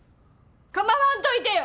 構わんといてよ！